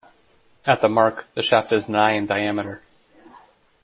At the mark, the shaft is nigh in diameter.